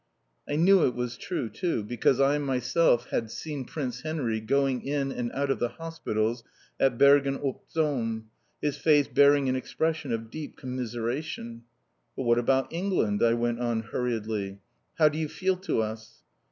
I knew it was true, too, because I had myself seen Prince Henry going in and out of the hospitals at Bergen op Zoom, his face wearing an expression of deep commiseration. "But what about England?" I went on hurriedly. "How do you feel to us?"